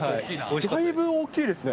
だいぶ大きいですね。